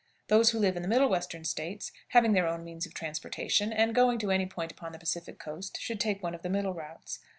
Those who live in the middle Western States, having their own means of transportation, and going to any point upon the Pacific coast, should take one of the middle routes.